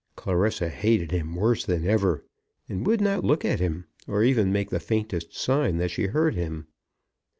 Clarissa hated him worse than ever, and would not look at him, or even make the faintest sign that she heard him.